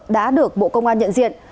đã được bộ công an nhận diện